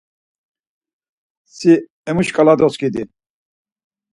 Si emu şǩala doskidi.